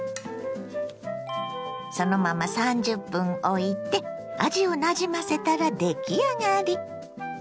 そのまま３０分おいて味をなじませたら出来上がり。